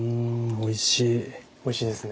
おいしいですね。